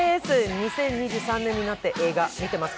２０２３年になって映画、見てますか？